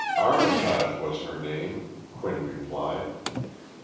"Armitage was her name," Quinn replied.